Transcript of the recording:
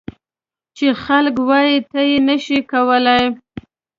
چې خلک وایي ته یې نه شې کولای.